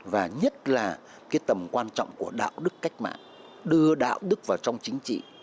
và nhất là cái tầm quan trọng của đạo đức cách mạng đưa đạo đức vào trong chính trị